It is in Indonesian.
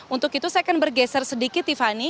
untuk itu saya akan bergeser sedikit tiffany